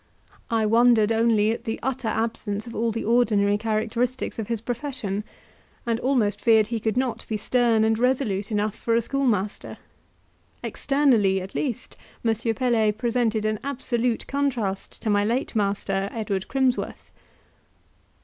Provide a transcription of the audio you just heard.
I wondered only at the utter absence of all the ordinary characteristics of his profession, and almost feared he could not be stern and resolute enough for a schoolmaster. Externally at least M. Pelet presented an absolute contrast to my late master, Edward Crimsworth.